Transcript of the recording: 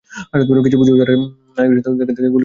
কিছু বুঝে ওঠার আগেই তাকে গুলি করে ফেলি।